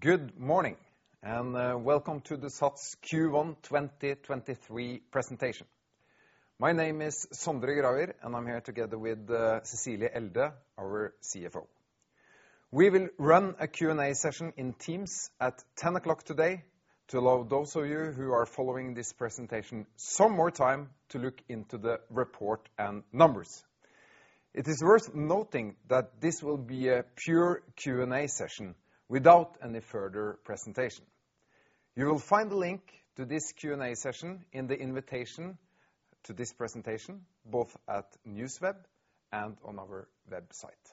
Good morning, welcome to the SATS Q1 2023 presentation. My name is Sondre Gravir, I'm here together with Cecilie Elde, our CFO. We will run a Q&A session in Teams at 10:00 A.M. today to allow those of you who are following this presentation some more time to look into the report and numbers. It is worth noting that this will be a pure Q&A session without any further presentation. You will find the link to this Q&A session in the invitation to this presentation, both at NewsWeb and on our website.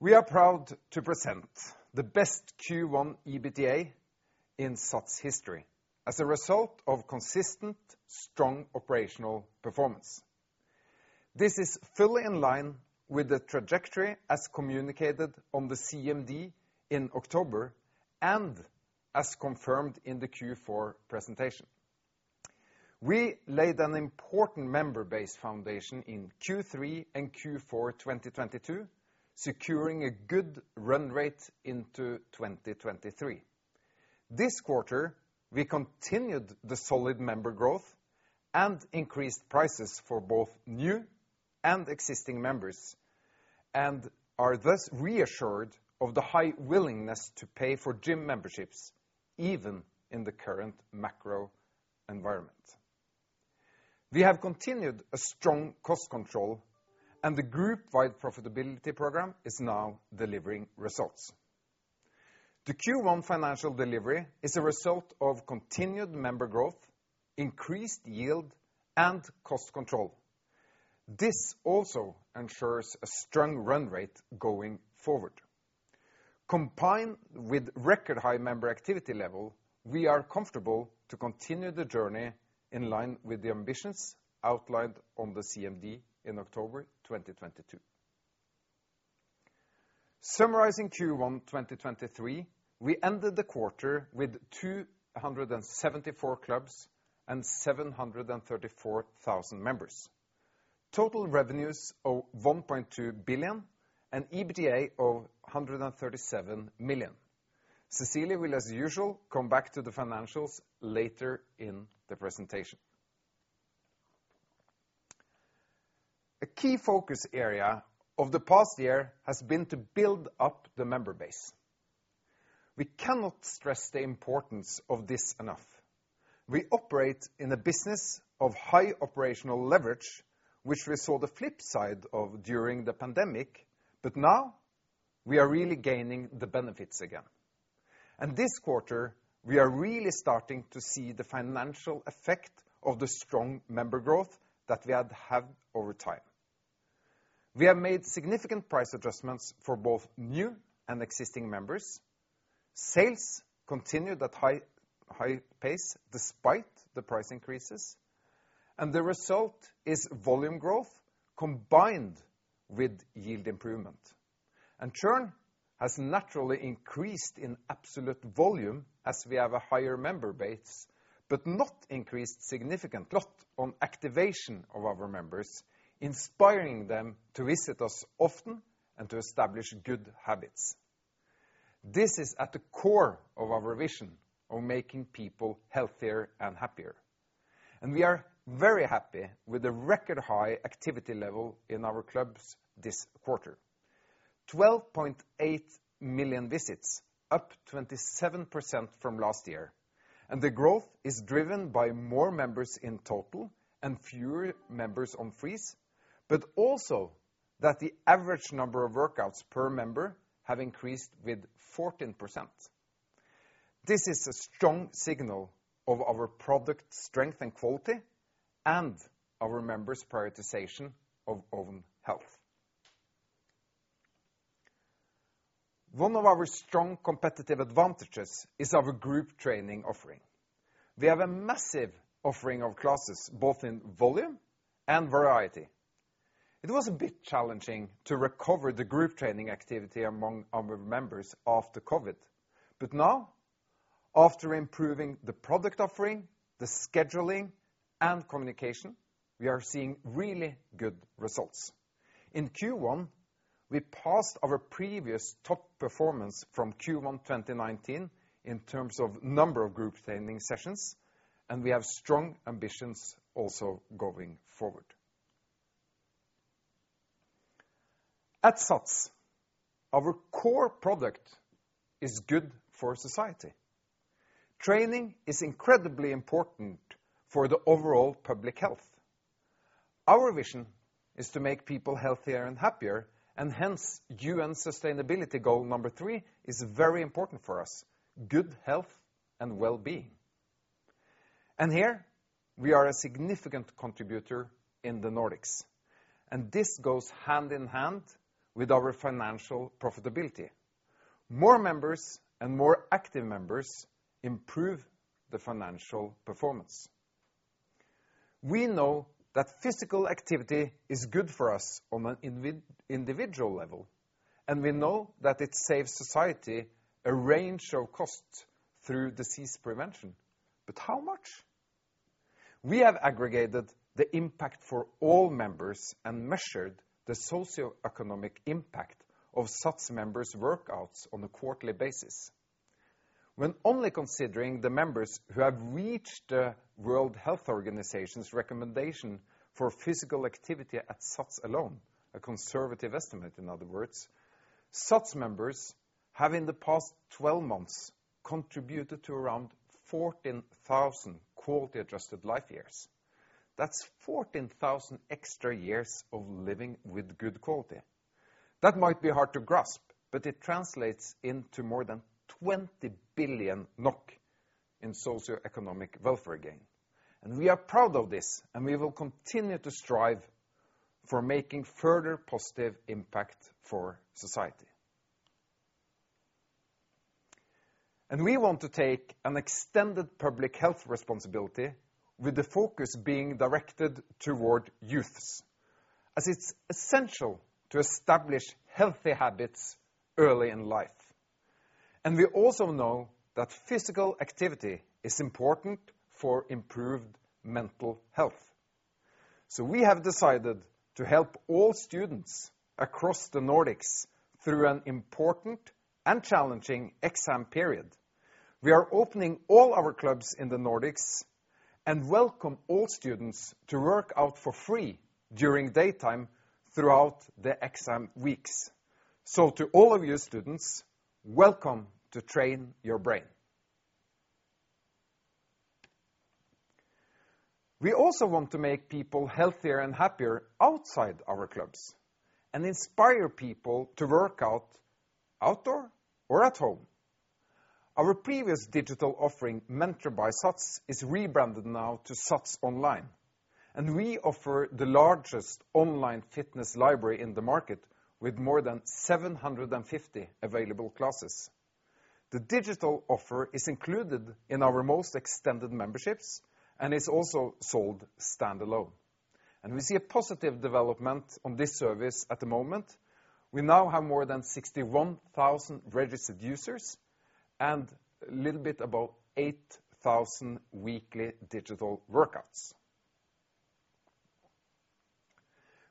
We are proud to present the best Q1 EBITDA in SATS history as a result of consistent strong operational performance. This is fully in line with the trajectory as communicated on the CMD in October and as confirmed in the Q4 presentation. We laid an important member base foundation in Q3 and Q4 2022, securing a good run rate into 2023. This quarter, we continued the solid member growth and increased prices for both new and existing members and are thus reassured of the high willingness to pay for gym memberships, even in the current macro environment. We have continued a strong cost control, and the group-wide profitability program is now delivering results. The Q1 financial delivery is a result of continued member growth, increased yield, and cost control. This also ensures a strong run rate going forward. Combined with record high member activity level, we are comfortable to continue the journey in line with the ambitions outlined on the CMD in October 2022. Summarizing Q1 2023, we ended the quarter with 274 clubs and 734,000 members. Total revenues of 1.2 billion and EBITDA of 137 million. Cecilie will, as usual, come back to the financials later in the presentation. A key focus area of the past year has been to build up the member base. We cannot stress the importance of this enough. We operate in a business of high operational leverage, which we saw the flip side of during the pandemic, but now we are really gaining the benefits again. This quarter, we are really starting to see the financial effect of the strong member growth that we have had over time. We have made significant price adjustments for both new and existing members. Sales continued at high pace despite the price increases, and the result is volume growth combined with yield improvement. Churn has naturally increased in absolute volume as we have a higher member base, but not increased significant lot on activation of our members, inspiring them to visit us often and to establish good habits. This is at the core of our vision of making people healthier and happier, and we are very happy with the record high activity level in our clubs this quarter. 12.8 million visits, up 27% from last year. The growth is driven by more members in total and fewer members on freeze, but also that the average number of workouts per member have increased with 14%. This is a strong signal of our product strength and quality and our members' prioritization of own health. One of our strong competitive advantages is our group training offering. We have a massive offering of classes, both in volume and variety. It was a bit challenging to recover the group training activity among our members after COVID, now, after improving the product offering, the scheduling, and communication, we are seeing really good results. In Q1, we passed our previous top performance from Q1 2019 in terms of number of group training sessions, we have strong ambitions also going forward. At SATS, our core product is good for society. Training is incredibly important for the overall public health. Our vision is to make people healthier and happier hence UN Sustainability Goal 3 is very important for us, good health and wellbeing. Here we are a significant contributor in the Nordics, this goes hand in hand with our financial profitability. More members and more active members improve the financial performance. We know that physical activity is good for us on an individual level. We know that it saves society a range of costs through disease prevention. How much? We have aggregated the impact for all members and measured the socioeconomic impact of such members' workouts on a quarterly basis. When only considering the members who have reached the World Health Organization's recommendation for physical activity at SATS alone, a conservative estimate in other words, SATS members have in the past 12 months contributed to around 14,000 quality-adjusted life years. That's 14,000 extra years of living with good quality. That might be hard to grasp. It translates into more than 20 billion NOK in socioeconomic welfare gain. We are proud of this, and we will continue to strive for making further positive impact for society. We want to take an extended public health responsibility with the focus being directed toward youths, as it's essential to establish healthy habits early in life. We also know that physical activity is important for improved mental health. We have decided to help all students across the Nordics through an important and challenging exam period. We are opening all our clubs in the Nordics and welcome all students to work out for free during daytime throughout the exam weeks. To all of you students, welcome to Train your Brain. We also want to make people healthier and happier outside our clubs and inspire people to work out outdoor or at home. Our previous digital offering, Mentor by SATS, is rebranded now to SATS Online. We offer the largest online fitness library in the market with more than 750 available classes. The digital offer is included in our most extended memberships and is also sold standalone. We see a positive development on this service at the moment. We now have more than 61,000 registered users and a little bit above 8,000 weekly digital workouts.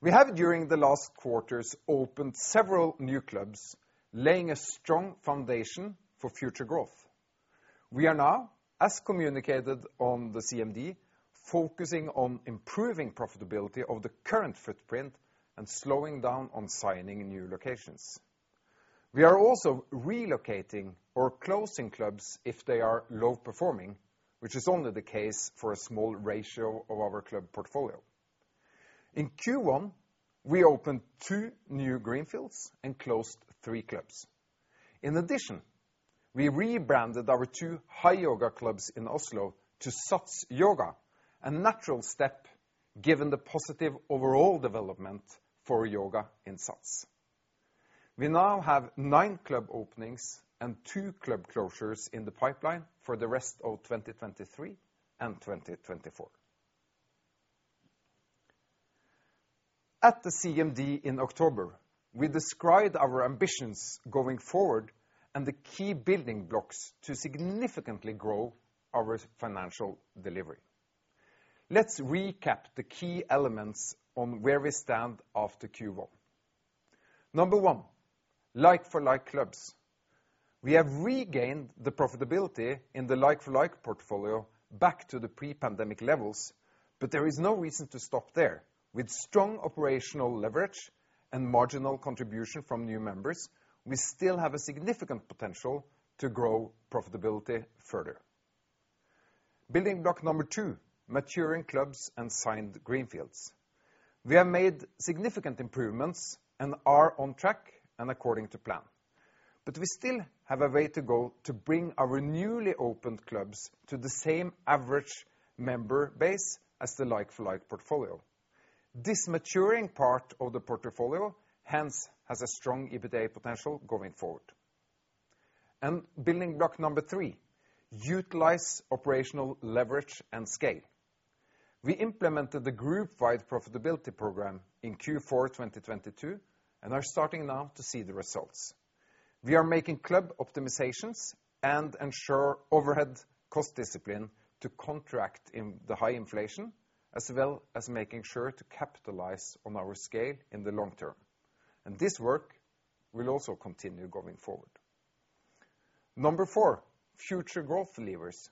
We have during the last quarters opened several new clubs, laying a strong foundation for future growth. We are now, as communicated on the CMD, focusing on improving profitability of the current footprint and slowing down on signing new locations. We are also relocating or closing clubs if they are low performing, which is only the case for a small ratio of our club portfolio. In Q1, we opened two new greenfields and closed three clubs. In addition, we rebranded our two HiYoga clubs in Oslo to SATS Yoga, a natural step given the positive overall development for yoga in SATS. We now have nine club openings and two club closures in the pipeline for the rest of 2023 and 2024. At the CMD in October, we described our ambitions going forward and the key building blocks to significantly grow our financial delivery. Let's recap the key elements on where we stand after Q1. Number one, like-for-like clubs. We have regained the profitability in the like-for-like portfolio back to the pre-pandemic levels. There is no reason to stop there. With strong operational leverage and marginal contribution from new members, we still have a significant potential to grow profitability further. Building block number two, maturing clubs and signed greenfields. We have made significant improvements and are on track and according to plan. We still have a way to go to bring our newly opened clubs to the same average member base as the like-for-like portfolio. This maturing part of the portfolio hence has a strong EBITDA potential going forward. Building block number three, utilize operational leverage and scale. We implemented the group-wide profitability program in Q4 2022 and are starting now to see the results. We are making club optimizations and ensure overhead cost discipline to contract in the high inflation, as well as making sure to capitalize on our scale in the long term. This work will also continue going forward. Number four, future growth levers.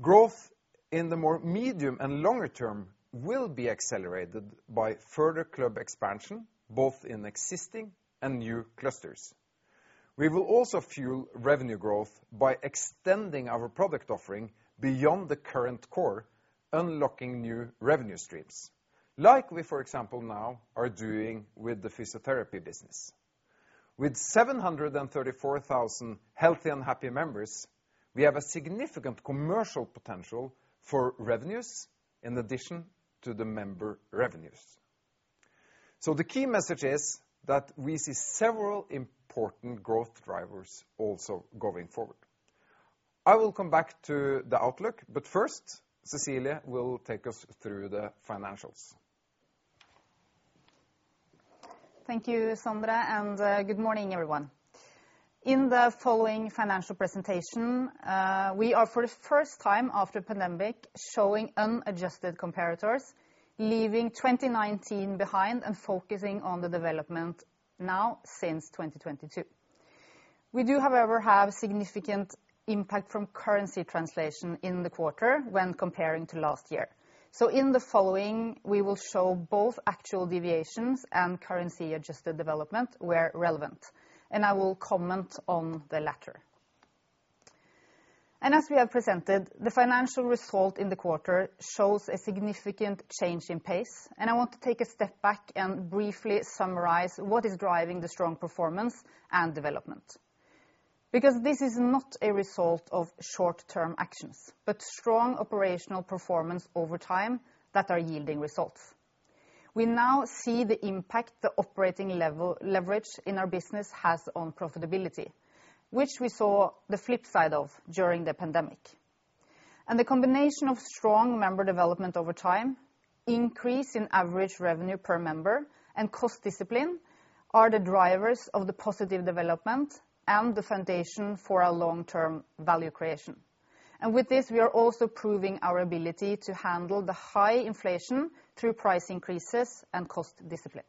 Growth in the more medium and longer term will be accelerated by further club expansion, both in existing and new clusters. We will also fuel revenue growth by extending our product offering beyond the current core, unlocking new revenue streams, like we, for example, now are doing with the physiotherapy business. With 734,000 healthy and happy members, we have a significant commercial potential for revenues in addition to the member revenues. The key message is that we see several important growth drivers also going forward. I will come back to the outlook, first, Cecilie will take us through the financials. Thank you, Sondre. Good morning, everyone. In the following financial presentation, we are for the first time after pandemic showing unadjusted comparators, leaving 2019 behind and focusing on the development now since 2022. We do, however, have significant impact from currency translation in the quarter when comparing to last year. In the following, we will show both actual deviations and currency adjusted development where relevant, and I will comment on the latter. As we have presented, the financial result in the quarter shows a significant change in pace, and I want to take a step back and briefly summarize what is driving the strong performance and development. This is not a result of short-term actions, but strong operational performance over time that are yielding results. We now see the impact the operating leverage in our business has on profitability, which we saw the flip side of during the pandemic. The combination of strong member development over time, increase in average revenue per member, and cost discipline are the drivers of the positive development and the foundation for our long-term value creation. With this, we are also proving our ability to handle the high inflation through price increases and cost discipline.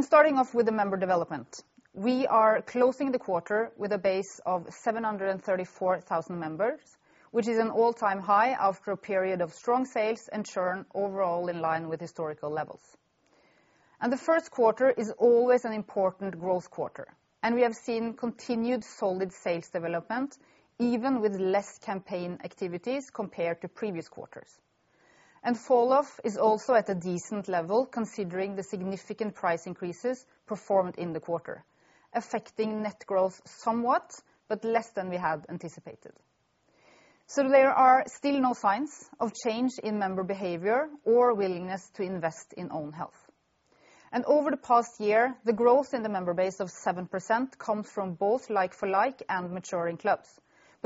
Starting off with the member development. We are closing the quarter with a base of 734,000 members, which is an all-time high after a period of strong sales and churn overall in line with historical levels. The first quarter is always an important growth quarter, and we have seen continued solid sales development, even with less campaign activities compared to previous quarters. Falloff is also at a decent level, considering the significant price increases performed in the quarter, affecting net growth somewhat but less than we had anticipated. There are still no signs of change in member behavior or willingness to invest in own health. Over the past year, the growth in the member base of 7% comes from both like-for-like and maturing clubs.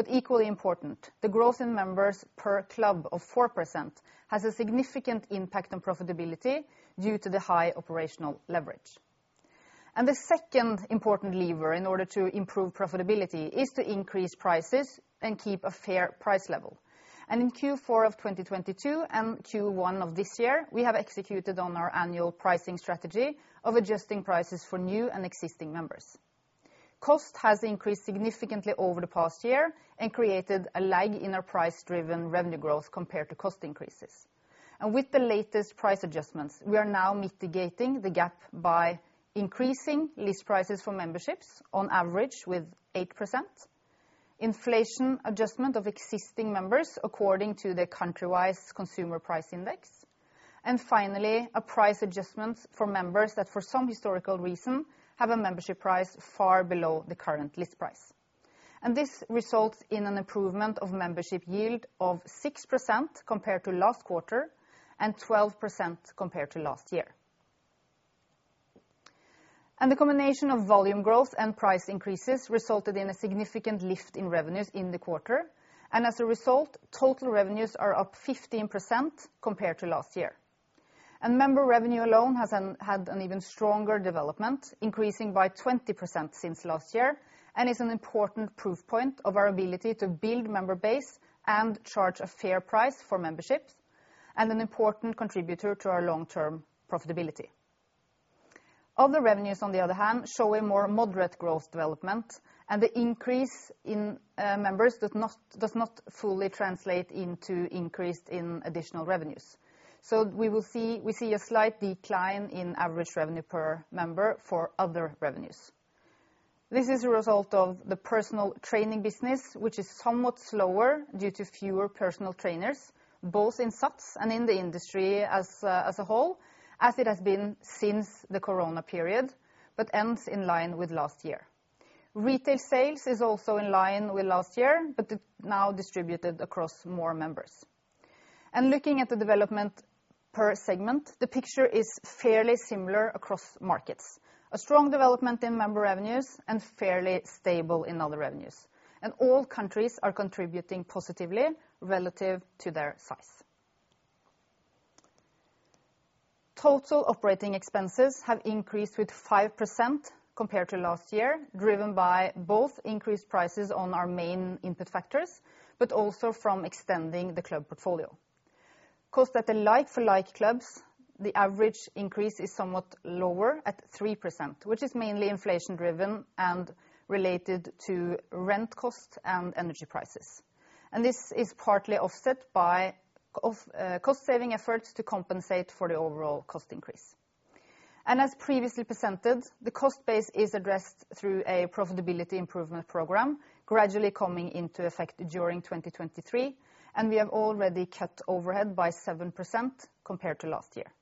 Equally important, the growth in members per club of 4% has a significant impact on profitability due to the high operational leverage. The second important lever in order to improve profitability is to increase prices and keep a fair price level. In Q4 2022 and Q1 of this year, we have executed on our annual pricing strategy of adjusting prices for new and existing members. Cost has increased significantly over the past year and created a lag in our price-driven revenue growth compared to cost increases. With the latest price adjustments, we are now mitigating the gap by increasing list prices for memberships on average with 8%, inflation adjustment of existing members according to the country-wise consumer price index, and finally, a price adjustment for members that, for some historical reason, have a membership price far below the current list price. This results in an improvement of membership yield of 6% compared to last quarter and 12% compared to last year. The combination of volume growth and price increases resulted in a significant lift in revenues in the quarter. As a result, total revenues are up 15% compared to last year. Member revenue alone had an even stronger development, increasing by 20% since last year, and is an important proof point of our ability to build member base and charge a fair price for memberships, and an important contributor to our long-term profitability. Other revenues, on the other hand, show a more moderate growth development, and the increase in members does not fully translate into increase in additional revenues. We see a slight decline in average revenue per member for other revenues. This is a result of the personal training business, which is somewhat slower due to fewer personal trainers, both in SATS and in the industry as a whole, as it has been since the corona period, but ends in line with last year. Retail sales is also in line with last year, but now distributed across more members. Looking at the development per segment, the picture is fairly similar across markets. A strong development in member revenues and fairly stable in other revenues. All countries are contributing positively relative to their size. Total operating expenses have increased with 5% compared to last year, driven by both increased prices on our main input factors but also from extending the club portfolio. Cost at the like-for-like clubs, the average increase is somewhat lower at 3%, which is mainly inflation-driven and related to rent costs and energy prices. This is partly offset by cost saving efforts to compensate for the overall cost increase. As previously presented, the cost base is addressed through a profitability improvement program gradually coming into effect during 2023, and we have already cut overhead by 7% compared to last year.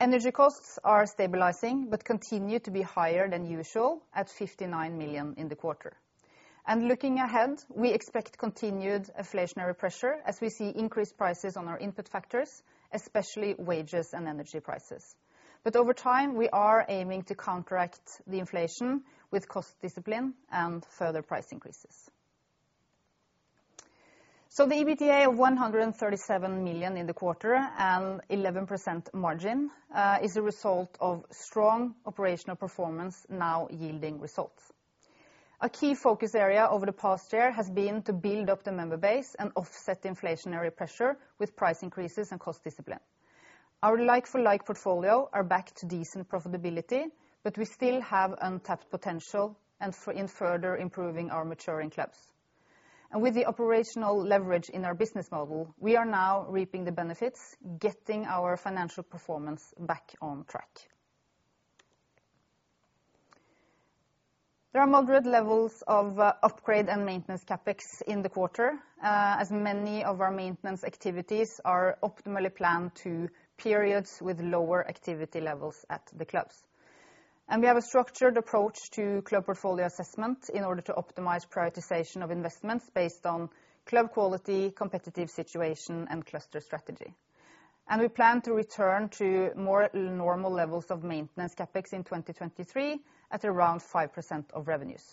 Energy costs are stabilizing but continue to be higher than usual at 59 million in the quarter. Looking ahead, we expect continued inflationary pressure as we see increased prices on our input factors, especially wages and energy prices. Over time, we are aiming to counteract the inflation with cost discipline and further price increases. The EBITDA of 137 million in the quarter and 11% margin is a result of strong operational performance now yielding results. A key focus area over the past year has been to build up the member base and offset the inflationary pressure with price increases and cost discipline. Our like-for-like portfolio are back to decent profitability. We still have untapped potential in further improving our maturing clubs. With the operational leverage in our business model, we are now reaping the benefits, getting our financial performance back on track. There are moderate levels of upgrade and maintenance CapEx in the quarter, as many of our maintenance activities are optimally planned to periods with lower activity levels at the clubs. We have a structured approach to club portfolio assessment in order to optimize prioritization of investments based on club quality, competitive situation, and cluster strategy. We plan to return to more normal levels of maintenance CapEx in 2023 at around 5% of revenues.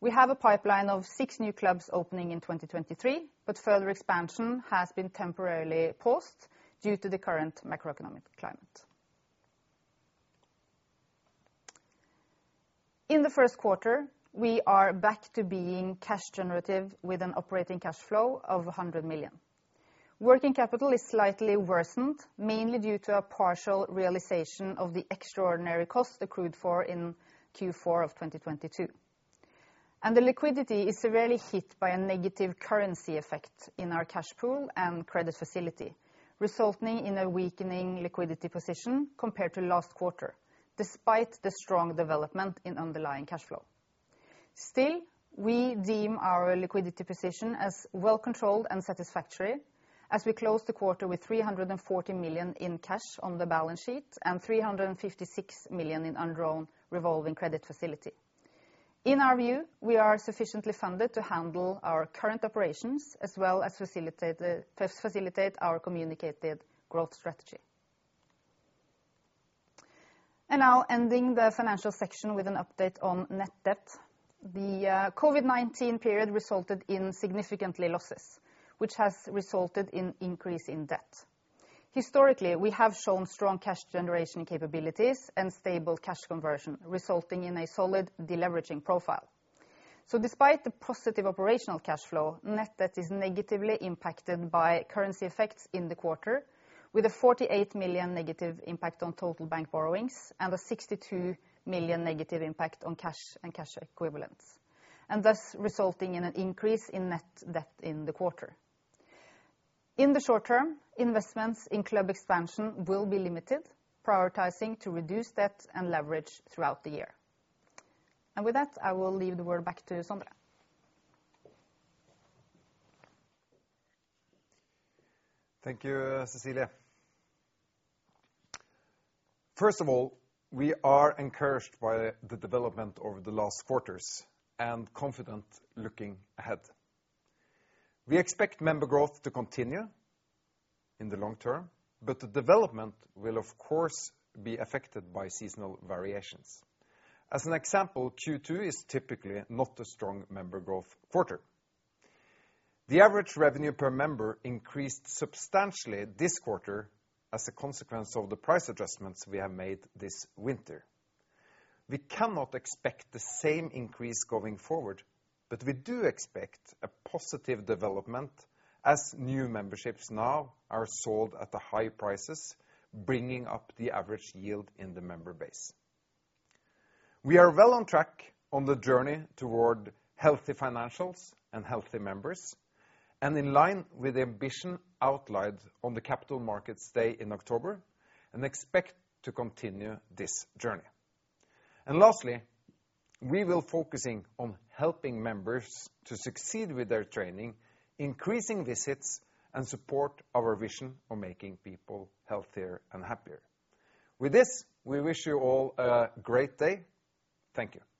We have a pipeline of six new clubs opening in 2023. Further expansion has been temporarily paused due to the current macroeconomic climate. In the first quarter, we are back to being cash generative with an operating cash flow of 100 million. Working capital is slightly worsened, mainly due to a partial realization of the extraordinary cost accrued for in Q4 2022. The liquidity is rarely hit by a negative currency effect in our cash pool and credit facility, resulting in a weakening liquidity position compared to last quarter, despite the strong development in underlying cash flow. Still, we deem our liquidity position as well controlled and satisfactory as we close the quarter with 340 million in cash on the balance sheet and 356 million in undrawn revolving credit facility. In our view, we are sufficiently funded to handle our current operations as well as facilitate our communicated growth strategy. Now ending the financial section with an update on net debt. The COVID-19 period resulted in significantly losses, which has resulted in increase in debt. Historically, we have shown strong cash generation capabilities and stable cash conversion, resulting in a solid deleveraging profile. Despite the positive operational cash flow, net debt is negatively impacted by currency effects in the quarter, with a 48 million negative impact on total bank borrowings and a 62 million negative impact on cash and cash equivalents, and thus resulting in an increase in net debt in the quarter. In the short term, investments in club expansion will be limited, prioritizing to reduce debt and leverage throughout the year. With that, I will leave the word back to Sondre. Thank you, Cecilie. First of all, we are encouraged by the development over the last quarters and confident looking ahead. We expect member growth to continue in the long term, the development will of course be affected by seasonal variations. As an example, Q2 is typically not a strong member growth quarter. The average revenue per member increased substantially this quarter as a consequence of the price adjustments we have made this winter. We cannot expect the same increase going forward, we do expect a positive development as new memberships now are sold at the high prices, bringing up the average yield in the member base. We are well on track on the journey toward healthy financials and healthy members, in line with the ambition outlined on the Capital Markets Day in October, and expect to continue this journey. Lastly, we will focusing on helping members to succeed with their training, increasing visits, and support our vision of making people healthier and happier. With this, we wish you all a great day. Thank you.